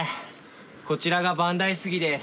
こちらが万代杉です。